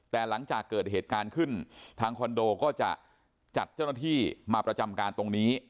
แต่หลังจากเกิดเหตุการณ์ขึ้นทางคอนโดก็จะจัดเจ้าหน้าที่มาประจำการตรงนี้